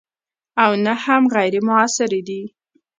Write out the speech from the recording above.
او نه هم غیر موثرې دي.